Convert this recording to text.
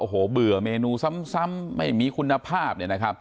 โอ้โหเบื่อเมนูซ้ำไม่มีคุณภาพ